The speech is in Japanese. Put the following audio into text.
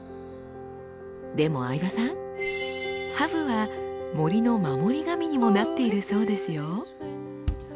でも相葉さんハブは森の守り神にもなっているそうですよ。